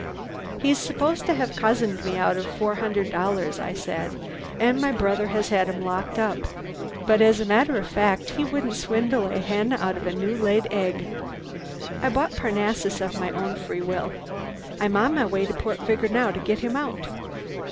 "He's supposed to have cozened me out of four hundred dollars," I said, "and my brother has had him locked up. But as a matter of fact he wouldn't swindle a hen out of a new laid egg. I bought Parnassus of my own free will. I'm on my way to Port Vigor now to get him out.